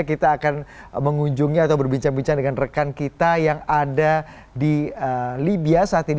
kita akan mengunjungi atau berbincang bincang dengan rekan kita yang ada di libya saat ini